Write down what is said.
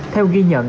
theo ghi nhận